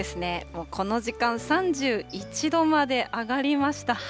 もうこの時間、３１度まで上がりました。